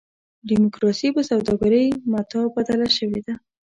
ډیموکراسي په سوداګرۍ متاع بدله شوې ده.